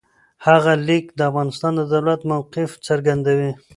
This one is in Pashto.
هغه لیک د افغانستان د دولت موقف څرګندوي.